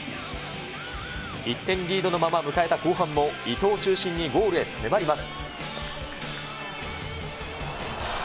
１点リードのまま迎えた後半も、伊東中心にゴールへ迫ります。